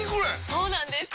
そうなんです！